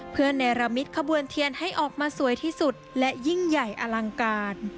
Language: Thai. เพื่อเนรมิตขบวนเทียนให้ออกมาสวยที่สุดและยิ่งใหญ่อลังการ